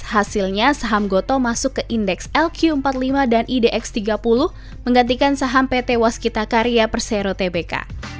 hasilnya saham gotoh masuk ke indeks lq empat puluh lima dan idx tiga puluh menggantikan saham pt waskita karya persero tbk